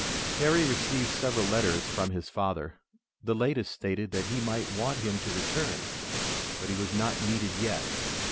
Harry received several letters from his father. The latest stated that he might want him to return, but he was not needed yet.